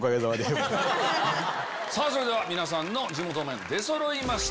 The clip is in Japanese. それでは皆さんの地元麺出そろいました。